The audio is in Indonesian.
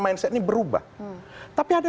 mindset ini berubah tapi ada